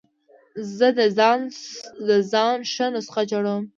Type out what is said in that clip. زه د ځان ښه نسخه جوړوم.